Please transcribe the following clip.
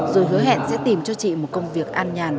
rồi hứa hẹn sẽ tìm cho chị một công việc an nhàn